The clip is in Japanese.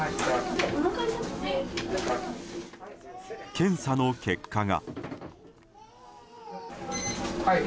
検査の結果が。